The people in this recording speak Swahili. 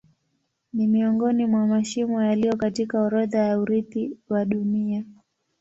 Ni miongoni mwa mashimo yaliyo katika orodha ya urithi wa Dunia.